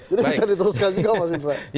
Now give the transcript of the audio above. jadi bisa diteruskan juga mas ibrahim